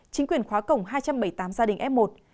chính quyền khóa cổng hai trăm bảy mươi tám gia đình f một